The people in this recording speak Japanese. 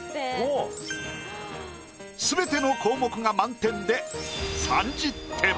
全ての項目が満点で３０点。